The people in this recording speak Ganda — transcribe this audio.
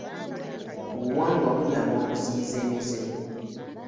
Obuwangwa buyamba okuziyiza emize.